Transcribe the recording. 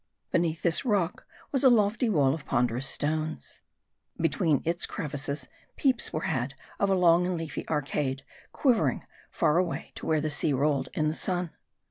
Beneath this rock, was a lofty wall of ponderous stones. Between its crevices, peeps were had of a long and leafy arcade, quivering far away to where the sea rolled in the sun.